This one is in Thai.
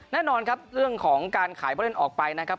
แน่นอนครับเรื่องของการขายผู้เล่นออกไปนะครับ